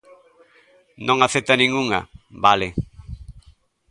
Non acepta ningunha, vale.